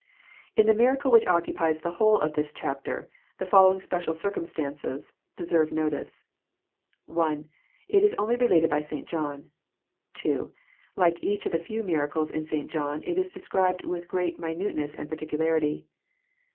" In the miracle which occupies the whole of this chapter, the following special circumstances deserve notice : (1) It is only related by St. John. (2) Like each of the few miracles in St. John, it is described with great minuteness and particularity.